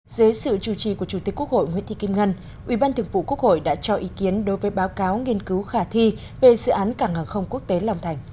dưới sự chủ trì của chủ tịch quốc hội nguyễn thị kim ngân ubnd đã cho ý kiến đối với báo cáo nghiên cứu khả thi về dự án cảng hàng không quốc tế long thành